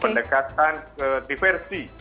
pendekatan ke diversi